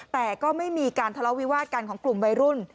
แต่ก็ไม่มีการทะเลาวิวาสกันของกลุ่มวัยรุ่น